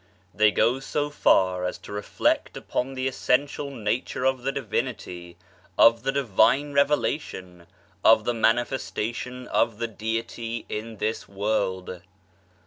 They go so far as to reflect upon the essential nature of the Divinity, of the Divine revelation, of the manifestation of the Deity in this world.